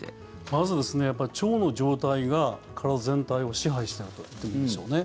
まず、腸の状態が体全体を支配しているということですね。